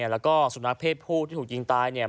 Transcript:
และก็สุนัขเพศผู้ที่ถูกยิงตาย